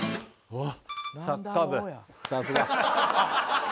おっ！